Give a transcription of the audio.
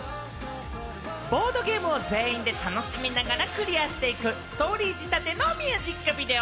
ボードゲームを全員で楽しみながらクリアしていくというストーリー仕立てのミュージックビデオ。